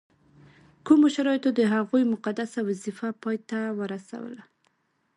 کومو شرایطو د هغوی مقدسه وظیفه پای ته ورسول.